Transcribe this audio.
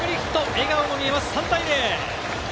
笑顔も見えます、３対０。